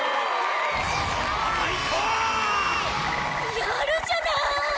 やるじゃない！